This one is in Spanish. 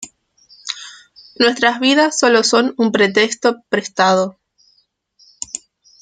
Nuestras vidas son solo un pretexto prestado.